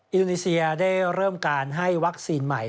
อินโดนีเซียได้เริ่มการให้วัคซีนใหม่